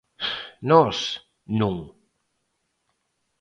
Nós, non.